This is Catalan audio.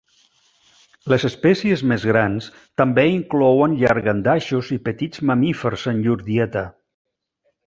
Les espècies més grans també inclouen llangardaixos i petits mamífers en llur dieta.